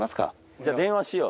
じゃあ電話しよう。